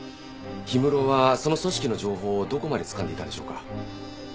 氷室はその組織の情報をどこまでつかんでいたんでしょうか？